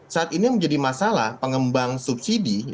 saat ini yang menjadi masalah pengembang subsidi